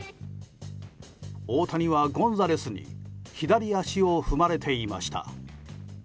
大谷はゴンザレスに左足を踏まれていました。